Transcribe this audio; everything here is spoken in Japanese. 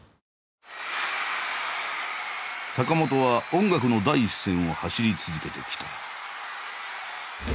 坂本は音楽の第一線を走り続けてきた。